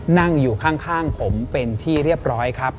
นั่งอยู่ข้างผมเป็นที่เรียบร้อยครับ